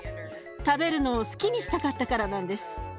食べるのを好きにしたかったからなんです。